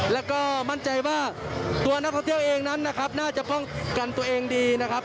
และก็มั่นใจว่านักท่องเที่ยวเองนั้นน่าจะป้องกันตัวเองดี